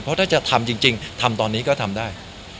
เพราะถ้าจะทำจริงทำตอนนี้ก็ทำได้